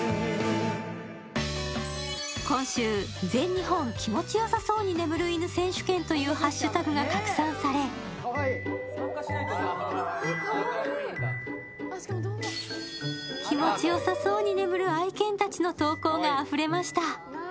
今週「全日本きもちよさそうに眠るいぬ選手権」というハッシュタグが拡散され、気持ちよさそうに眠る愛犬たちの投稿があふれました。